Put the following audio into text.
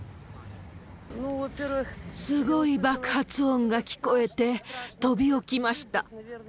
すごい爆発音が聞こえて、飛び起きました。